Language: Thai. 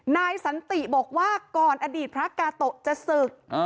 นายสันติบอกว่าก่อนอดีตพระกาโตะจะศึก